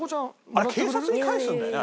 あれ警察に返すんだよね。